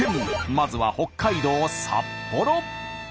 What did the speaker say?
まずは北海道札幌。